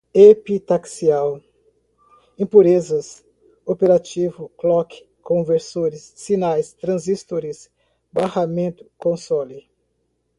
epitaxial, impurezas, operativo, clock, conversores, sinais, transistores, barramento, console